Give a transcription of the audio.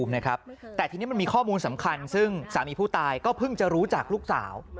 แต่ทีนี้มันมีข้อมูลสำคัญซึ่งสามีผู้ตายก็เพิ่งจะรู้จากลูกสาว